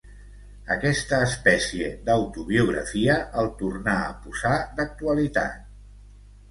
Aquesta espècie d'autobiografia el tornà a posar d'actualitat.